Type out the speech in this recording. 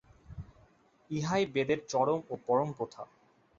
ইহাই বেদের চরম ও পরম কথা।